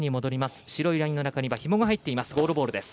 白いラインの中にはひもが入っています。